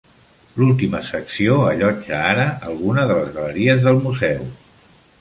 L'última secció allotja ara algunes de les galeries del museu.